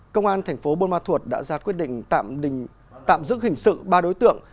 công an thành phố buôn ma thuột đã ra quyết định tạm giữ hình sự ba đối tượng